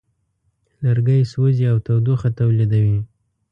لرګی سوځي او تودوخه تولیدوي.